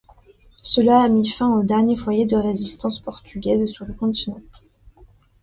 Cela a mis fin au dernier foyer de résistance portugaise sur le continent.